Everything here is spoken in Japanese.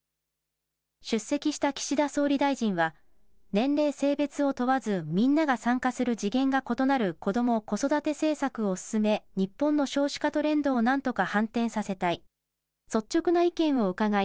出席した岸田総理大臣は、年齢・性別を問わずみんなが参加する次元が異なる子ども・子育て政策を進め、日本の少子化トレンドをなんとか反転させたい。